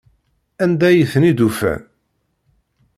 Anda ay ten-id-ufan?